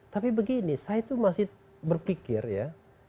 tapi begini saya itu masih berpikir ya